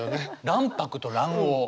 卵白と卵黄。